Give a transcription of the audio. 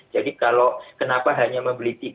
jadi kalau kenapa hanya membeli